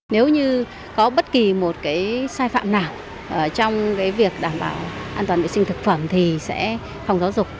nếu như có bất kỳ một cái sai phạm nào trong cái việc đảm bảo an toàn vệ sinh thực phẩm thì sẽ phòng giáo dục